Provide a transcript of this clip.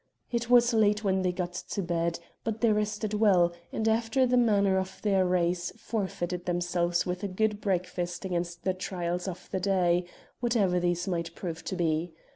It was late when they got to bed, but they rested well, and, after the manner of their race, fortified themselves with a good breakfast against the trials of the day, whatever these might prove to be.